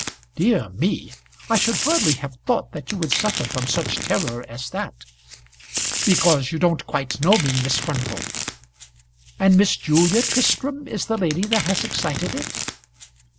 "Dear me! I should hardly have thought that you would suffer from such terror as that." "Because you don't quite know me, Miss Furnival." "And Miss Julia Tristram is the lady that has excited it?"